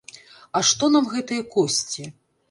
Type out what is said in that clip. А што нам гэтыя косці?